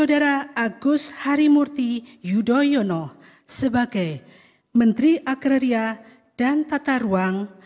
saudara agus harimurti yudhoyono sebagai menteri agraria dan tata ruang